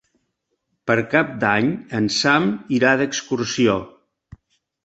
Per Cap d'Any en Sam irà d'excursió.